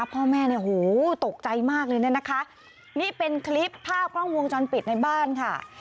พ่อแม่เนี่ยโหตกใจมากเลยเนี่ยนะคะนี่เป็นคลิปภาพกล้องวงจรปิดในบ้านค่ะ